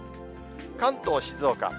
関東、静岡。